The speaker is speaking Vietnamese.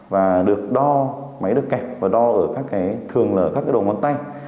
và được đo máy được kẹt và đo ở các cái thường là các cái đầu ngón tay